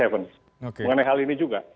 mengenai hal ini juga